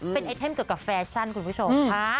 เป็นไอเทมเกี่ยวกับแฟชั่นคุณผู้ชมค่ะ